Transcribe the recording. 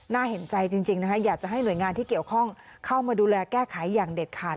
เห็นใจจริงนะคะอยากจะให้หน่วยงานที่เกี่ยวข้องเข้ามาดูแลแก้ไขอย่างเด็ดขาด